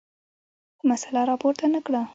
مسله راپورته نه کړه.